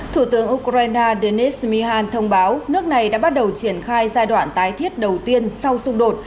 thủ tướng ukraine denis michhan thông báo nước này đã bắt đầu triển khai giai đoạn tái thiết đầu tiên sau xung đột